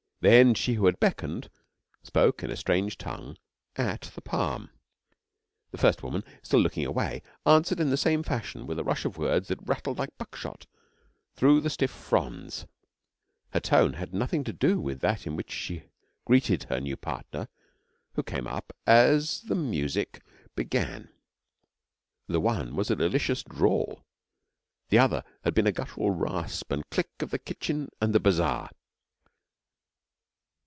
Then she who had beckoned spoke in a strange tongue at the palm. The first woman, still looking away, answered in the same fashion with a rush of words that rattled like buckshot through the stiff fronds. Her tone had nothing to do with that in which she greeted her new partner, who came up as the music began. The one was a delicious drawl; the other had been the guttural rasp and click of the kitchen and the bazaar.